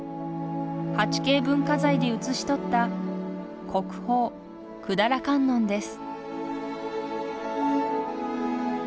８Ｋ文化財で写し取った国宝百済観音です